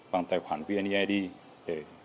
bằng tài khoản vned